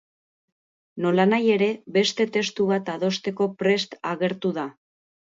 Nolanahi ere, beste testu bat adosteko prest agertu da.